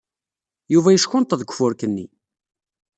Yuba yeckunṭeḍ deg ufurk-nni.